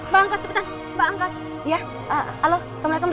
bangkat cepetan bangkat ya halo assalamualaikum